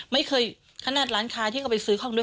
ไม่เคยขนาดร้านค้าที่เขาไปซื้อของด้วย